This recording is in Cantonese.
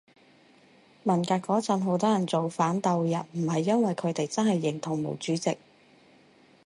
文革嗰陣好多人造反鬥人唔係因爲佢哋真係認同毛主席